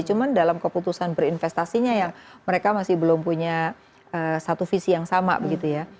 cuma dalam keputusan berinvestasinya yang mereka masih belum punya satu visi yang sama begitu ya